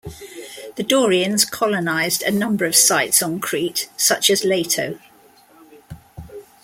The Dorians colonised a number of sites on Crete such as Lato.